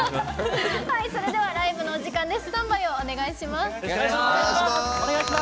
それではライブのお時間です。